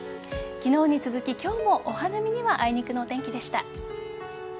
昨日に続き、今日もお花見にはあいにくのお天気でした。